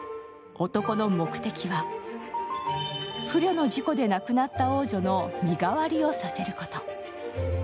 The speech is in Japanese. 男の目的は、不慮の事故で亡くなった王女の身代わりをさせること。